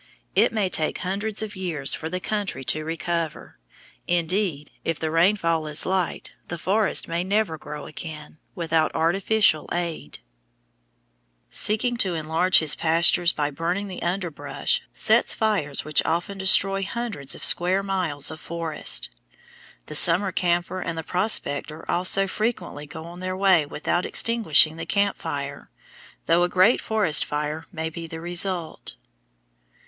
It may take hundreds of years for the country to recover; indeed, if the rainfall is light, the forests may never grow again, without artificial aid. [Illustration: FIG. 130. A BURNED FOREST, CASCADE RANGE, OREGON] The careless stockman, seeking to enlarge his pastures by burning the underbrush, sets fires which often destroy hundreds of square miles of forest. The summer camper and the prospector also frequently go on their way without extinguishing the camp fire, though a great forest fire may be the result.